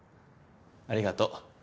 ありがとう。